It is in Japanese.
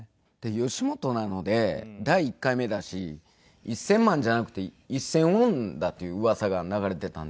吉本なので第１回目だし１０００万じゃなくて１０００ウォンだといううわさが流れていたんですよ。